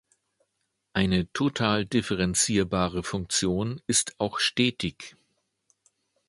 Eine total differenzierbare Funktion ist auch stetig.